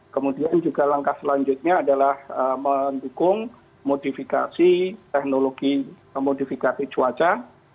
kemudian juga langkah selanjutnya adalah mendukung modifikasi teknologi modifikasi cuaca